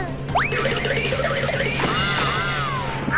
อ้าวไอ้ยุทธ